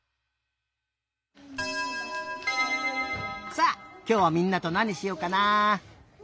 さあきょうはみんなとなにしようかなあ？